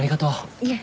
いえ。